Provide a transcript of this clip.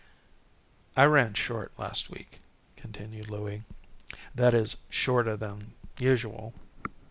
"I ran short last week," continued Louie. "That is, shorter than usual.